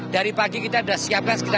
dari pagi kita sudah siapkan